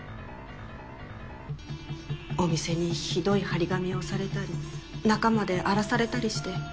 お店に酷い貼り紙をされたり中まで荒らされたりして。